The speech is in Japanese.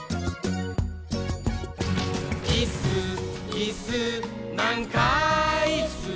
「いっすーいっすーなんかいっすー」